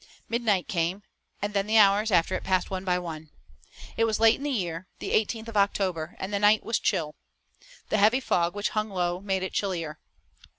Midnight came, and then the hours after it passed one by one. It was late in the year, the eighteenth of October, and the night was chill. The heavy fog which hung low made it chillier.